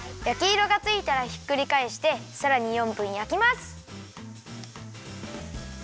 やきいろがついたらひっくりかえしてさらに４分やきます。